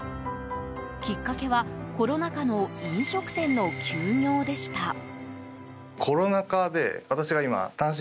きっかけは、コロナ禍の飲食店の休業でした。